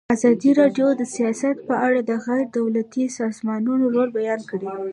ازادي راډیو د سیاست په اړه د غیر دولتي سازمانونو رول بیان کړی.